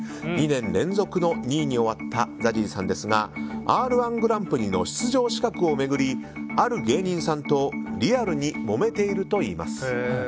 ２年連続の２位に終わったＺＡＺＹさんですが「Ｒ‐１グランプリ」の出場資格を巡り、ある芸人さんとリアルにもめているといいます。